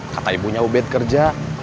kata ibunya ubed kerja